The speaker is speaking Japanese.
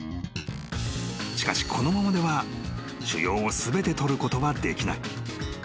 ［しかしこのままでは腫瘍を全て取ることはできない］